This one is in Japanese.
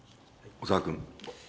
小沢君。